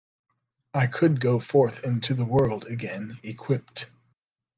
I could go forth into the world again, equipped.